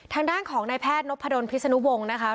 ทางด้านของนายแพทย์นพดลพิศนุวงศ์นะคะ